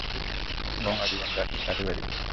গঙা জগজীবনদাস কাঠিয়াবাড়ি।